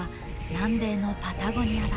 南米のパタゴニアだ。